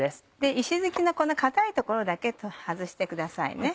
石突きの硬い所だけ外してくださいね。